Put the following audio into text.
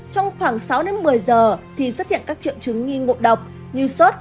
trong khoảng sáu đến một mươi giờ thì xuất hiện các triệu chứng nghi ngộ độc như sốt